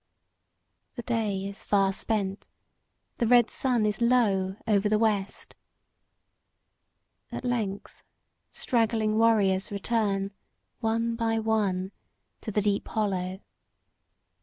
The day is far spent, the red sun is low over the west. At length straggling warriors return, one by one, to the deep hollow.